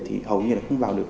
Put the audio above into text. thì hầu như là không vào được